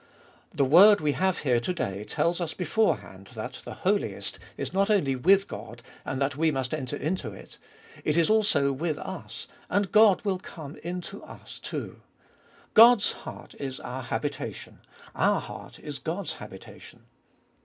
The word we have here to day tells us beforehand that the Holiest is not only with God, and that we must enter into it ; it is also with us, and God will come in to us too. God's heart is our habitation ; our heart is God's habitation.